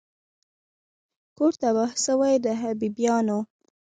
کور تباه سوی د حبیبیانو